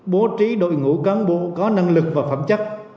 bố trí đội ngũ cán bộ có năng lực và phẩm chất